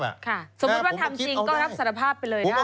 สมมุติว่าทำจริงก็รับสารภาพไปเลยได้